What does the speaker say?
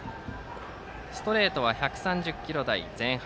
ストレートは１３０キロ台前半。